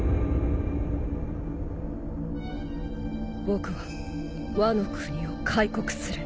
僕はワノ国を開国する。